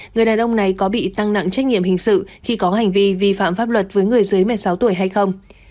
người đàn ông này có bị tăng nặng trách nhiệm hình sự khi có hành vi vi phạm pháp luật với người dưới một mươi sáu tuổi hay không